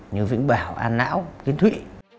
như vĩnh bảo an não kiến thụy